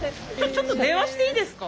ちょっと電話していいですか？